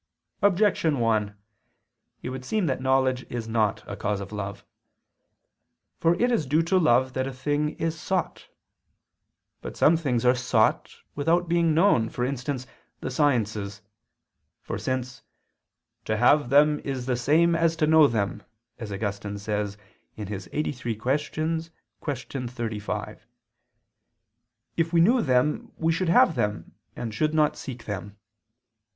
Objection 1: It would seem that knowledge is not a cause of love. For it is due to love that a thing is sought. But some things are sought without being known, for instance, the sciences; for since "to have them is the same as to know them," as Augustine says (QQ. 83, qu. 35), if we knew them we should have them, and should not seek them.